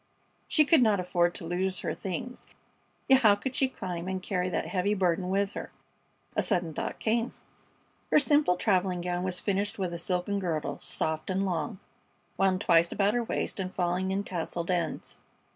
She could not afford to lose her things. Yet how could she climb and carry that heavy burden with her? A sudden thought came. Her simple traveling gown was finished with a silken girdle, soft and long, wound twice about her waist and falling in tasseled ends.